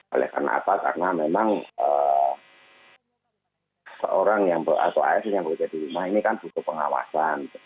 oleh karena apa karena memang seorang atau asn yang bekerja di rumah ini kan butuh pengawasan